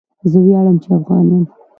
زه ویاړم چې افغان یم.